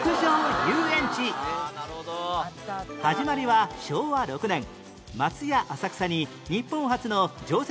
始まりは昭和６年松屋浅草に日本初の常設